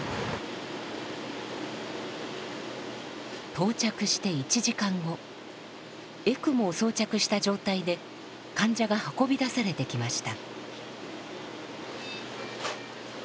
到着して１時間後エクモを装着した状態で患者が運び出されてきました。